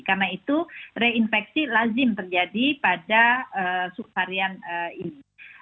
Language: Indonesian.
karena itu reinfeksi lazim terjadi pada subvarian ini